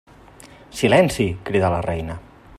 Silenci! —cridà la reina—.